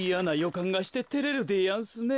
かんがしててれるでやんすねえ。